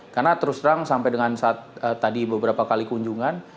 karena terus terang sampai dengan saat tadi beberapa kali kunjungan